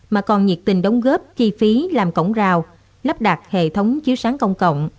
mà còn nhiệt tình đóng góp chi phí làm cổng rào lắp đặt hệ thống chiếu sáng công cộng